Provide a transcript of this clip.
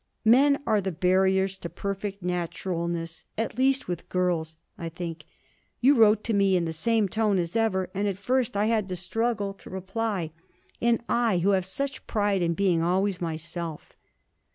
Men are the barriers to perfect naturalness, at least, with girls, I think. You wrote to me in the same tone as ever, and at first I had a struggle to reply. And I, who have such pride in being always myself!'